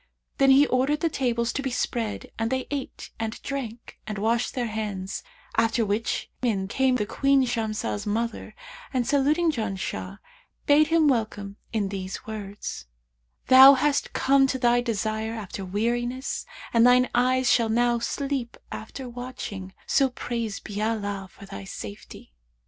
Then he ordered the tables to be spread and they ate and drank and washed their hands; after which in came the Queen Shamsah's mother, and saluting Janshah, bade him welcome in these words, 'Thou hast come to thy desire after weariness and thine eyes shall now sleep after watching; so praised be Allah for thy safety!'